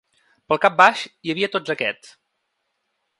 Pel cap baix, hi havia tots aquests.